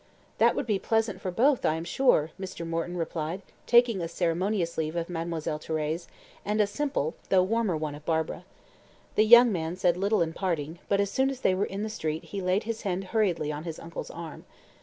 "That would be pleasant for both, I am sure," Mr. Morton replied, taking a ceremonious leave of Mademoiselle Thérèse, and a simple, though warmer one of Barbara. The young man said little in parting, but as soon as they were in the street he laid his hand hurriedly on his uncle's arm.